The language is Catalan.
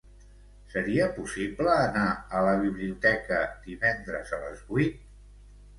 Seria possible anar a la biblioteca divendres a les vuit?